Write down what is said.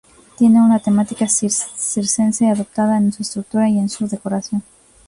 Tiene una temática circense adoptada en su estructura y en su decoración.